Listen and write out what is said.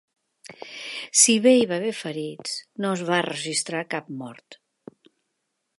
Si bé hi va haver ferits, no es va registrar cap mort.